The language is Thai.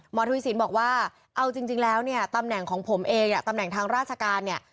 ทวีสินบอกว่าเอาจริงแล้วเนี่ยตำแหน่งของผมเองตำแหน่งทางราชการเนี่ย